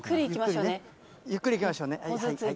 ゆっくり行きましょうね。